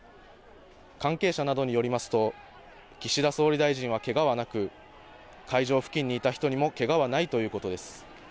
関係者などによりますと岸田総理大臣はけがはなく会場付近にいた人にもけがはないということです。